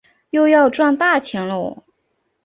又要赚大钱啰